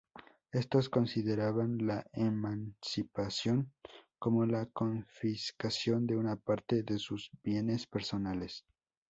Estos consideraban la emancipación como la confiscación de una parte de sus bienes personales.